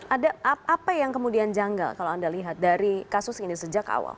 ada apa yang kemudian janggal kalau anda lihat dari kasus ini sejak awal